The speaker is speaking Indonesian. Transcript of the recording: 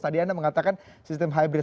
tadi anda mengatakan sistem hybrid